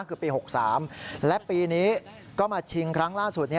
คือปี๖๓และปีนี้ก็มาชิงครั้งล่าสุด